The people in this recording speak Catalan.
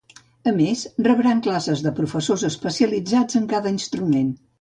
A més, rebran classes de professors especialitzats en cada instrument.